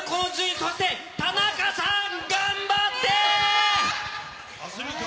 そして田中さん、頑張って！